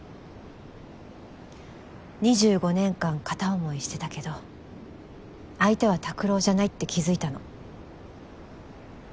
２５年間片思いしてたけど相手は拓郎じゃないって気付いたの。